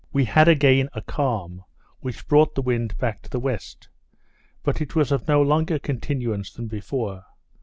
we had again a calm, which brought the wind back to the west; but it was of no longer continuance than before.